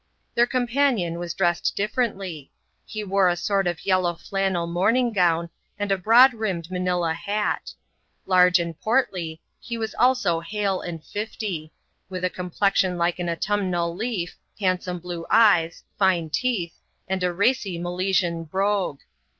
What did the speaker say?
Their companion was dressed differently. He wore a sort rf yellow flannel morning gown, and a broad brimmed Manilla hat. Large and portly, he was also hale and fifty ; with a com plexion like an autumnal leaf, handsome blue eyes, fine teeth, and a racy Milesian brogue.